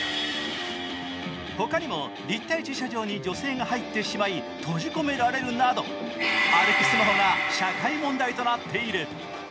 他にも立体駐車場に女性が入ってしまい、閉じ込められるなど歩きスマホが社会問題となっている。